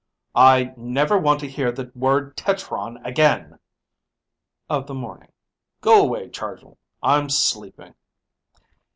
"I never want to hear the word tetron again!" "... of the morning." "Go away, Chargill; I'm sleeping!"